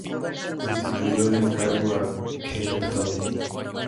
Sustituyó en el cargo a Kenneth Hall.